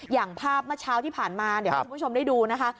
อย่างภาพเมื่อเช้าที่ผ่านมาเดี๋ยวให้คุณผู้ชมได้ดูนะคะ